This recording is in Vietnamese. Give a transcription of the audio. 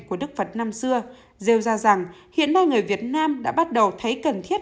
của đức phật năm xưa rêu ra rằng hiện nay người việt nam đã bắt đầu thấy cần thiết